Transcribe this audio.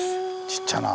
ちっちゃな。